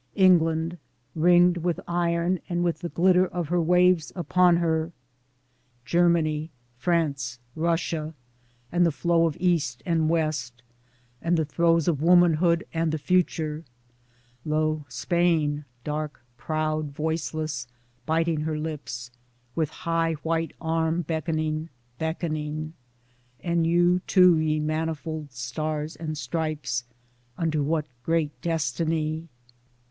England, ringed with iron and with the glitter of her waves upon her ; Germany ; France ; Russia — and the flow of East and West, and the throes of womanhood and the future ; lo ! Spain — dark, proud, voiceless, biting her lips, with high white arm beckoning beckoning ! And you, too, ye mani fold Stars and Stripes — unto what great destiny